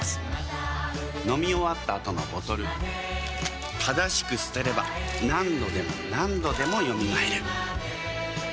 飲み終わった後のボトル正しく捨てれば何度でも何度でも蘇る。